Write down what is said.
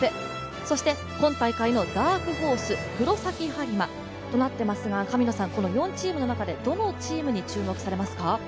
そして、今大会のダークホース・黒崎播磨となっていますが、この４チームの中でどのチームに注目されますか。